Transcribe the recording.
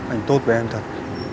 anh tốt với em thật